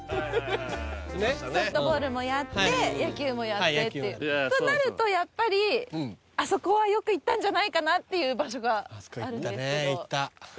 ソフトボールもやって野球もやってっていうとなるとやっぱりあそこはよく行ったんじゃないかなっていう場所があるんですけどあそこ行ったね